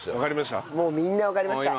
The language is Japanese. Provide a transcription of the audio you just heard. もうみんなわかりました。